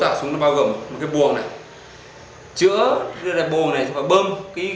công tác của sình đã tạo súng bao gồm một cái buồng này